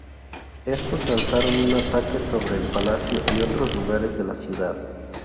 Estos lanzaron un ataque sobre el palacio y otros lugares de la ciudad.